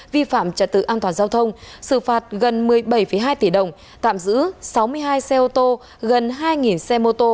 vi phạm trật tự an toàn giao thông xử phạt gần một mươi bảy hai tỷ đồng tạm giữ sáu mươi hai xe ô tô gần hai xe mô tô